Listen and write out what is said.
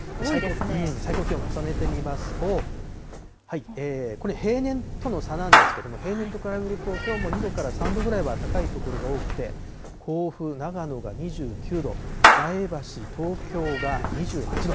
最高気温重ねてみますと、これ、平年との差なんですけれども、平年と比べるときょうも２度から３度ぐらいは高い所が多くて、甲府、長野が２９度、前橋、東京が２８度。